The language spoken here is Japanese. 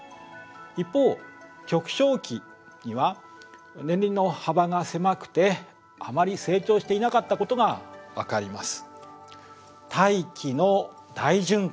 一方極小期には年輪の幅が狭くてあまり成長していなかったことが分かります。